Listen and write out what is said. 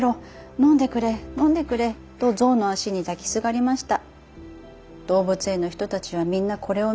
のんでくれ、のんでくれ。』と、ぞうのあしにだきすがりました」。